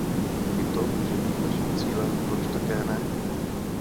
I to může být naším cílem, proč také ne?